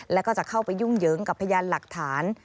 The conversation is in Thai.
และเข้าไปยุ่งเยิ้งกับพยันหลักฐาน